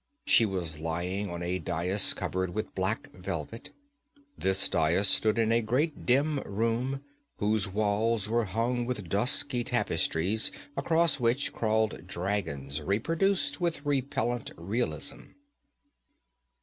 She was lying on a dais covered with black velvet. This dais stood in a great, dim room whose walls were hung with dusky tapestries across which crawled dragons reproduced with repellent realism.